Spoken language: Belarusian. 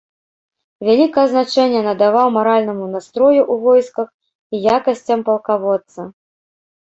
Вялікае значэнне надаваў маральнаму настрою ў войсках і якасцям палкаводца.